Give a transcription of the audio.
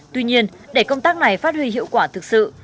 tuy nhiên để công tác này phát huy hiệu quả thực sự